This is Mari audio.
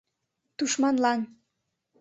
Тушманлан